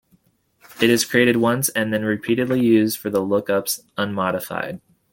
It is created once and then repeatedly used for the lookups unmodified.